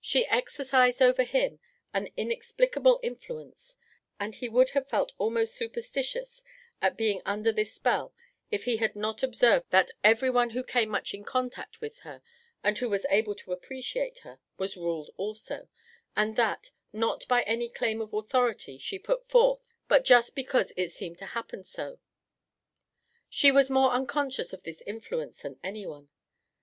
She exercised over him an inexplicable influence, and he would have felt almost superstitious at being under this spell if he had not observed that everyone who came much in contact with her, and who was able to appreciate her, was ruled also, and that, not by any claim of authority she put forth, but just because it seemed to happen so. She was more unconscious of this influence than anyone.